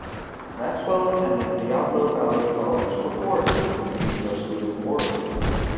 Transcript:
Maxwell attended Diablo Valley College before attending the University of Oregon.